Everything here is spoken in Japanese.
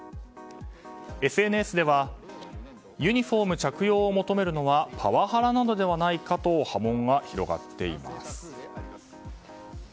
ＳＮＳではユニホーム着用を求めるのはパワハラなのではないかと波紋が広がっています。